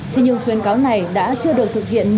thế nhưng khuyên cáo này đã chưa được thực hiện